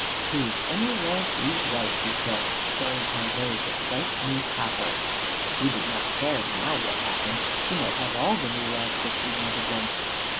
"Choose any lamp you like," he said, showing her those of bright new copper. He did not care now what happened. She might have all the new lamps if she wanted them.